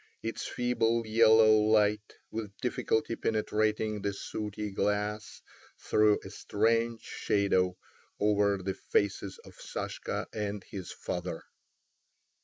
Its feeble yellow light, with difficulty penetrating the sooty glass, threw a strange shadow over the faces of Sashka and his father.